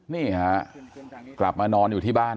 นี่ฮะกลับมานอนอยู่ที่บ้าน